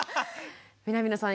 南野さん